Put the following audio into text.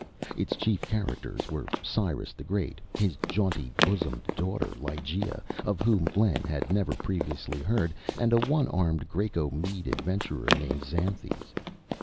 Its chief characters were Cyrus the Great, his jaunty bosomed daughter Lygea, of whom Len had never previously heard, and a one armed Graeco Mede adventurer named Xanthes.